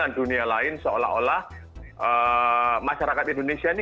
dan dunia lain seolah olah masyarakat indonesia ini